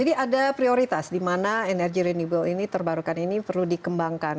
jadi ada prioritas di mana energi renewable ini terbarukan ini perlu dikurangin